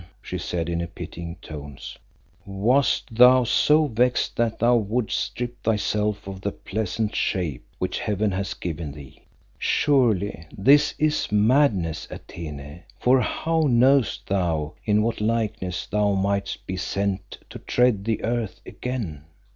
she said in pitying tones. "Wast thou so vexed that thou wouldst strip thyself of the pleasant shape which heaven has given thee? Surely this is madness, Atene, for how knowest thou in what likeness thou mightest be sent to tread the earth again?